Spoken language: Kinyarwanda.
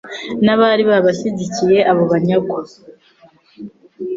n'abari babashyigikiye abo banyagwa